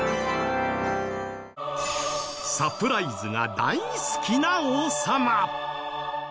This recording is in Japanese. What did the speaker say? サプライズが大好きな王様。